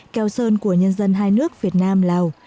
keo sơn của nhân dân hai nước việt nam lào